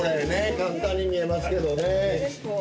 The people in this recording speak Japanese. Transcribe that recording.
簡単に見えますけどね。